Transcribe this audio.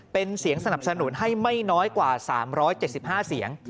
เป็นเสียงสนับสนุนให้ไม่น้อยกว่า๓๗๕เสียง